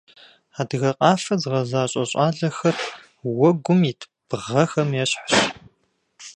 Адыгэ къафэ зыгъэзащӏэ щӏалэхэр уэгум ит бгъэхэм ещхьщ.